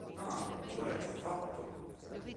Ah, tu l'hai già fatto!